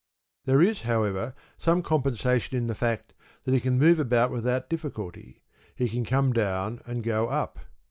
There is, however, some compensation in the fact that he can move about without difficulty he can come down and go up.